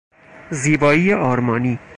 زیبایی آرمانی